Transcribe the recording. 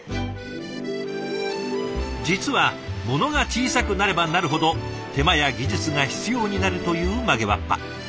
実はものが小さくなればなるほど手間や技術が必要になるという曲げわっぱ。